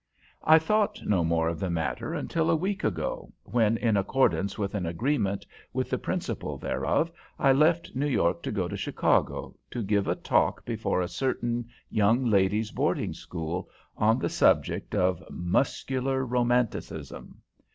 I thought no more of the matter until a week ago, when, in accordance with an agreement with the principal thereof, I left New York to go to Chicago, to give a talk before a certain young ladies' boarding school, on the subject of "Muscular Romanticism."